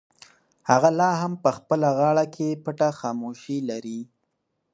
هغه لا هم په خپله غاړه کې پټه خاموشي لري.